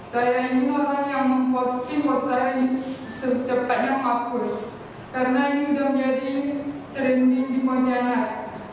saya ingin orang yang memposting buat saya ini secepatnya mengakus karena ini sudah menjadi trending di pontianak